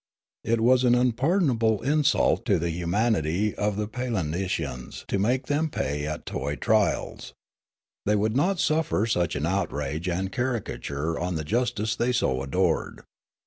It was an unpardonable insult to the humanity of the Palindicians to make them play at toy trials. They would not suffer such an outrage and caricature on the justice they so adored.